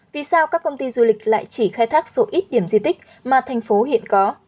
vì sao các công ty du lịch lại chỉ khai thác số ít điểm di tích mà thành phố hiện có